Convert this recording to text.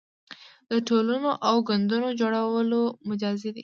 د ټولنو او ګوندونو جوړول مجاز دي.